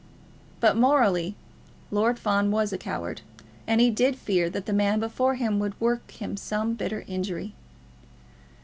But morally, Lord Fawn was a coward, and he did fear that the man before him would work him some bitter injury.